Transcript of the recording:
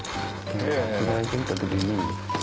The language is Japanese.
開いてきた時に。